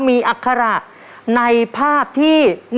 มีอัคระในภาพที่